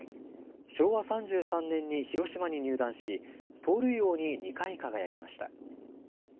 昭和３３年に広島に入団し盗塁王に２回輝きました。